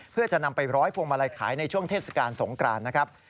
เพื่อจะนำไปร้อยพวงมาลัยขายในช่วงเทศกาลสงกรานนะครับ